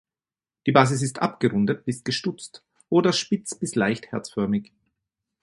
Die Basis ist abgerundet bis gestutzt oder spitz bis leicht herzförmig.